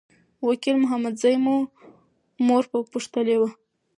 وکیل محمدزی مو مور پوښتلي وه.